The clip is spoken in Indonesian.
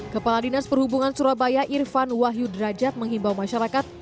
kepala dinas perhubungan surabaya irfan wahyu derajat menghimbau masyarakat